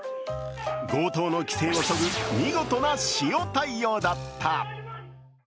強盗の気勢をそぐ、見事な塩対応だった。